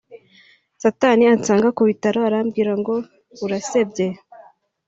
Satani ansanga ku bitaro arambwira ngo urasebye